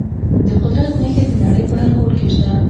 د قدرت نښې د نړۍ په هر ګوټ کې شته.